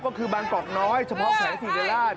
ก็คือบางกอกน้อยเฉพาะแขวงศิริราช